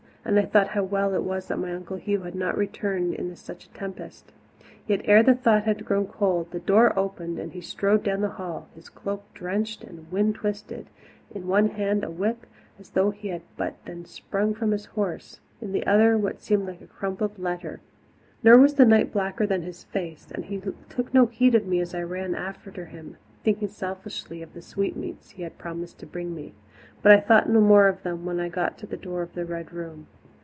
And I thought how well it was that my Uncle Hugh had not to return in such a tempest. Yet, ere the thought had grown cold, the door opened and he strode down the hall, his cloak drenched and wind twisted, in one hand a whip, as though he had but then sprung from his horse, in the other what seemed like a crumpled letter. Nor was the night blacker than his face, and he took no heed of me as I ran after him, thinking selfishly of the sweetmeats he had promised to bring me but I thought no more of them when I got to the door of the Red Room.